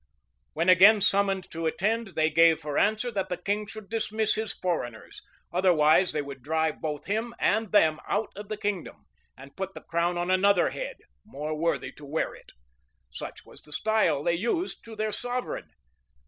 When again summoned to attend, they gave for answer, that the king should dismiss his foreigners, otherwise they would drive both him and them out of the kingdom, and put the crown on another head, more worthy to wear it: [] such was the style they used to their sovereign.